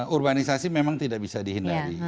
urbanisasi memang tidak bisa dihindari